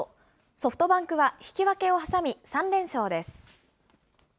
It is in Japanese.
ソフトバンクは引き分けを挟み３連勝です。